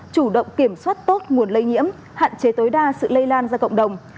chủ động kiểm soát tốt nguồn lây nhiễm hạn chế tối đa sự lây lan ra cộng đồng